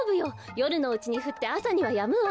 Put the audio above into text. よるのうちにふってあさにはやむわ。